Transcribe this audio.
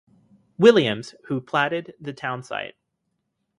Williams, who platted the townsite.